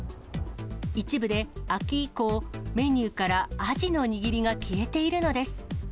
一部で秋以降、メニューからアジの握りが消えているのです。